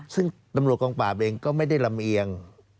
ซึ่งตำรวจกองปราบเองก็ไม่ได้ลำเอียง